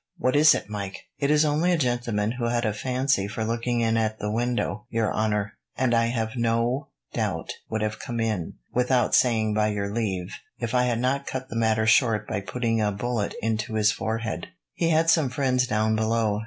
"What is it, Mike?" "It is only a gentleman who had a fancy for looking in at the window, your honour, and I have no doubt would have come in, without saying by your leave, if I had not cut the matter short by putting a bullet into his forehead. He had some friends down below.